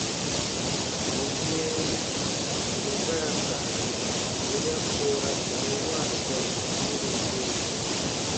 Bù mɛɛri mɛ̀ ba ra ka yè ya koora tɔnun wãaru sɔɔn tireru yore.